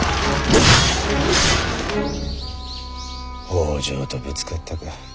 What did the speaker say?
北条とぶつかったか。